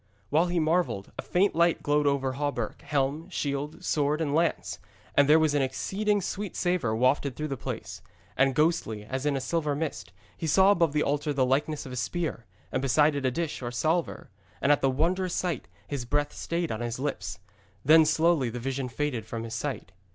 While he marvelled, a faint light glowed over hauberk, helm, shield, sword and lance, and there was an exceeding sweet savour wafted through the place. And ghostily, as in a silver mist, he saw above the altar the likeness of a spear, and beside it a dish or salver. And at the wondrous sight his breath stayed on his lips. Then slowly the vision faded from his sight.